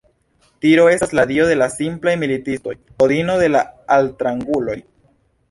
Tiro estas la dio de la simplaj militistoj, Odino de la altranguloj.